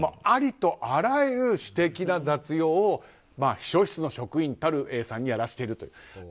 ありとあらゆる私的な雑用を秘書室の職員たるＡさんにやらせていると。